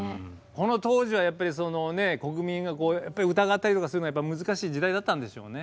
この当時はやっぱり国民が疑ったりとかするの難しい時代だったんでしょうね。